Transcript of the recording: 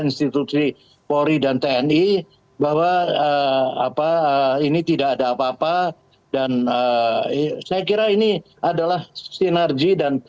institusi polri dan tni bahwa apa ini tidak ada apa apa dan saya kira ini adalah sinergi dan